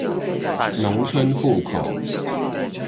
農村戶口